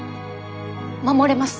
守れます！